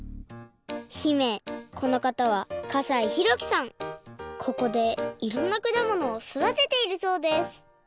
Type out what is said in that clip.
姫このかたはここでいろんなくだものをそだてているそうです